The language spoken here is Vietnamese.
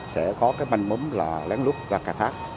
sẽ có cái manh múng là lén lút ra khai thác